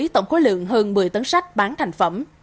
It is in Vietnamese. tổng khối lượng hơn một mươi tấn sách bán thành phẩm